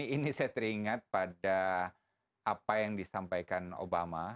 ini saya teringat pada apa yang disampaikan obama